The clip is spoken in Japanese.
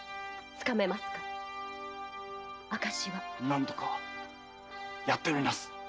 何とかやってみます